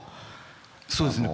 そうですね。